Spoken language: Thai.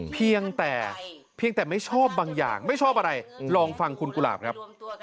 เพียงแต่เพียงแต่ไม่ชอบบางอย่างไม่ชอบอะไรลองฟังคุณกุหลาบครับ